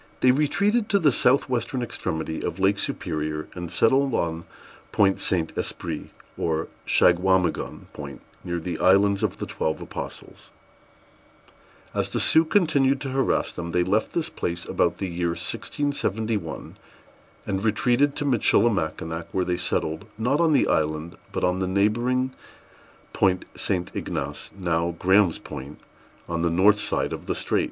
They retreated to the south western extremity of Lake Superior, and settled on Point Saint Esprit, or Shagwamigon Point, near the Islands of the Twelve Apostles. As the Sioux continued to harass them, they left this place about the year 1671, and returned to Michilimackinac, where they settled, not on the island, but on the neighboring Point St. Ignace, at the northern extremity of the great peninsula of Michigan.